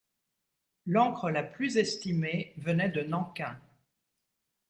L'encre la plus estimée venait de Nankin.